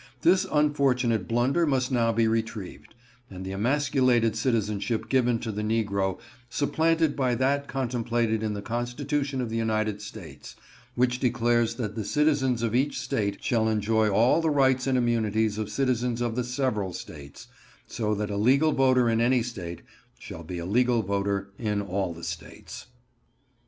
This unfortunate blunder must now be retrieved, and the emasculated citizenship given to the negro supplanted by that contemplated in the Constitution of the United States, which declares that the citizens of each State shall enjoy all the rights and immunities of citizens of the several States,—so that a legal voter in any State shall be a legal voter in all the States.